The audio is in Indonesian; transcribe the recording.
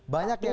banyak ya pak